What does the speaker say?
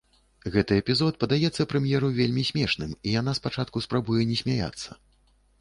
Гэты эпізод падаецца прэм'еру вельмі смешным, і яна спачатку спрабуе не смяяцца.